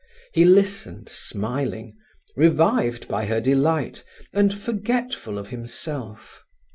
He listened, smiling, revived by her delight, and forgetful of himself.